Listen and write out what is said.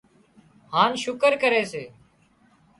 هانَ شُڪر ڪري سي